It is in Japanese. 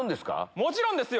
もちろんですよ！